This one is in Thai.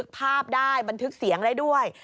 ภาพได้บันทึกเสียงได้ด้วย